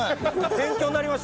勉強になりました。